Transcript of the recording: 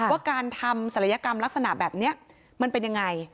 ว่าการทำศัลยกรรมลักษณะแบบนี้มันเป็นยังไง